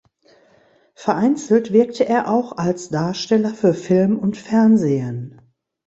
Vereinzelt wirkte er auch als Darsteller für Film und Fernsehen.